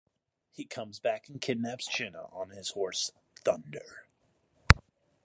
He comes back and kidnaps Jenna on his horse, Thunder.